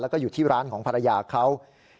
แล้วก็อยู่ที่ร้านของภรรยาเขา